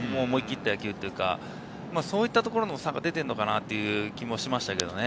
思い切った野球というか、そういった差が出ているのかなという気がします。